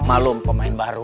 malu pemain baru